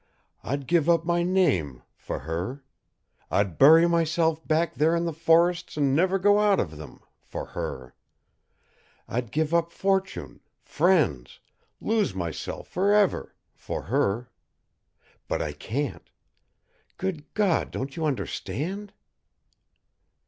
"I'd give up my name for HER. I'd bury myself back there in the forests and never go out of them for HER. I'd give up fortune, friends, lose myself for ever for HER. But I can't. Good God, don't you understand?"